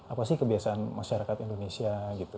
apa sih kebiasaan masyarakat indonesia gitu